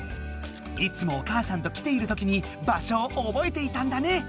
いつもお母さんと来ているときに場所をおぼえていたんだね！